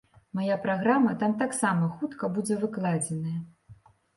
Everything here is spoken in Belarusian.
Мая праграма там таксама хутка будзе выкладзеная.